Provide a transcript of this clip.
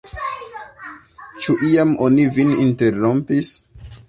Ĉu iam oni vin interrompis?